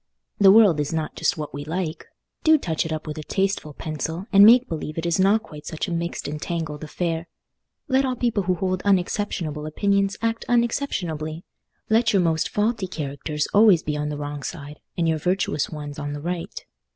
The world is not just what we like; do touch it up with a tasteful pencil, and make believe it is not quite such a mixed entangled affair. Let all people who hold unexceptionable opinions act unexceptionably. Let your most faulty characters always be on the wrong side, and your virtuous ones on the right.